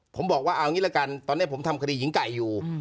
ผมบอกว่าเอางี้ละกันตอนนี้ผมทำคดีหญิงไก่อยู่